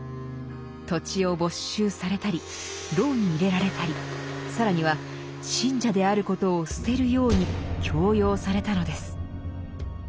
土地を没収されたり牢に入れられたり更には信者であることを捨てるように強要されたのです。